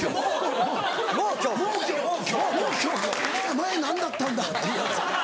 前何だったんだ？っていうやつ。